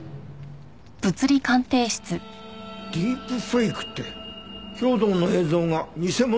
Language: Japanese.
ディープフェイクって兵働の映像が偽物って事？